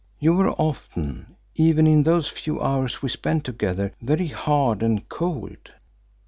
You were often, even in those few hours we spent together, very hard and cold.